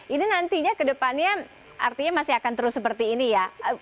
ini nantinya ke depannya artinya masih akan terus seperti ini ya